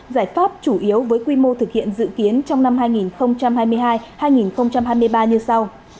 giải pháp chủ yếu với quy mô thực hiện dự kiến trong năm hai nghìn hai mươi hai hai nghìn hai mươi ba như sau